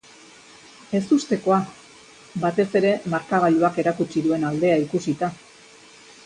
Ezustekoa, batez ere markagailuak erakutsi duen aldea ikusita.